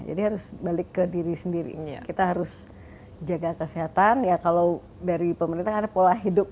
jadi harus balik ke diri sendiri kita harus jaga kesehatan ya kalau dari pemerintah ada pola hidup